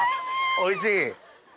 おいしい！